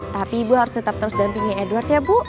tapi ibu harus tetap terus dampingi edward ya bu